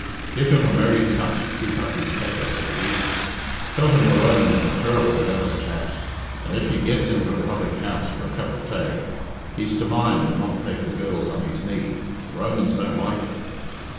"Give him a merry touch to keep up his pecker," said Pete. "Tell him the Romans are ter'ble jealous chaps, and, if he gets into a public house for a cup of tay, he's to mind and not take the girls on his knee the Romans don't like it."